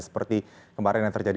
seperti kemarin yang terjadi